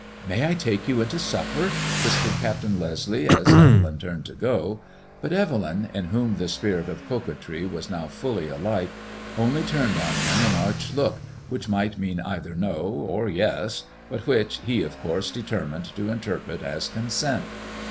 "May I take you into supper?" whispered Captain Leslie, as Evelyn turned to go; but Evelyn^ in whom the spirit of coquetry was now fully alight, only turned on him an arch look which might mean either no or yes, but which he of course determined to interpret as con sent.